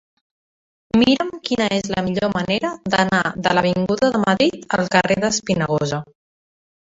Mira'm quina és la millor manera d'anar de l'avinguda de Madrid al carrer de l'Espinagosa.